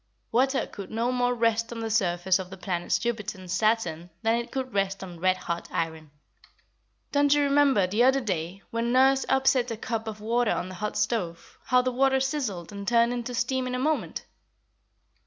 Water could no more rest on the surface of the planets Jupiter and Saturn than it could rest on red hot iron. Don't you remember, the other day, when nurse upset a cup of water on the hot stove, how the water sizzled and turned into steam in a moment?